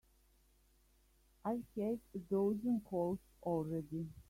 I've had a dozen calls already.